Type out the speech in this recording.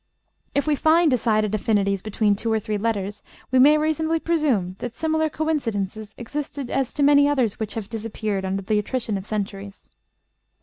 If we find decided affinities between two or three letters, we may reasonably presume that similar coincidences existed as to many others which have disappeared under the attrition of centuries.